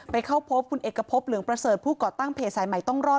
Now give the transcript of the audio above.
เข้าพบคุณเอกพบเหลืองประเสริฐผู้ก่อตั้งเพจสายใหม่ต้องรอด